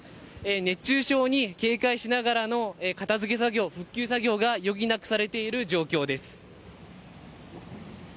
熱中症に警戒しながらの片づけ作業、復旧作業が余儀なくされている状況です。